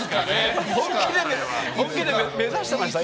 本気で目指してました？